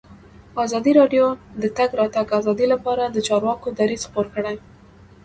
ازادي راډیو د د تګ راتګ ازادي لپاره د چارواکو دریځ خپور کړی.